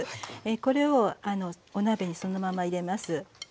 これをお鍋にそのまま入れます。